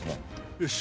よし。